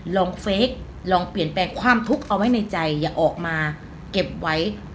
เฟคลองเปลี่ยนแปลงความทุกข์เอาไว้ในใจอย่าออกมาเก็บไว้